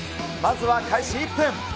まずは開始１分。